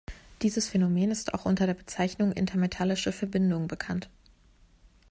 Dieses Phänomen ist auch unter der Bezeichnung Intermetallische Verbindung bekannt.